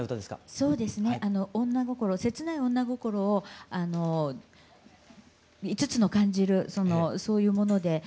そうですね女心切ない女心を５つの感じるそういうもので表現した歌ですはい。